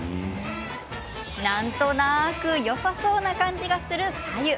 なんとなくよさそうな感じがする白湯。